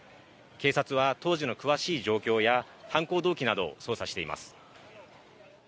警察は当時の詳しい状況や犯行動機などを捜査しています。